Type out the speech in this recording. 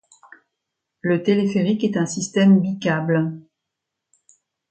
Le téléphérique est un système bicable.